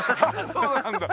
そうなんだ。